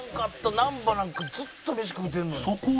「難波なんかずっとメシ食うてんのに」